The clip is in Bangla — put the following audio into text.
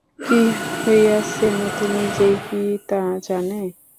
কী হইয়াছে মতি নিজেই কি তা জানে?